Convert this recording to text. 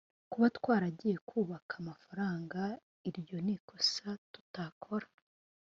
Kuba twaragiye kubaka amafaranga iryo n’ikosa tutakora